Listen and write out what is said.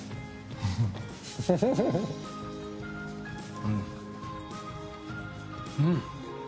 うん、うん。